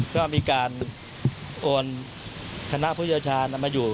ก็มีการโอนคณะผู้เชี่ยวชาญมาอยู่